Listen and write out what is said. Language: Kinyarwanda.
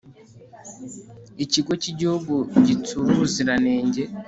ikigo cy'igihugu gitsura ubuziranenge